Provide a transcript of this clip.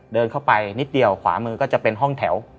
เดินเข้าไปนิดเดียวขวามือก็จะเป็นห้องแถว